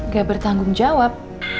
gak bertanggung jawab